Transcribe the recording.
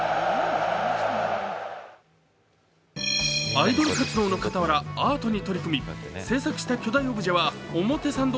アイドル活動の傍らアートに取り組み制作した巨大オブジェは表参道